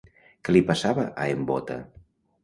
Què li passava a en Bóta?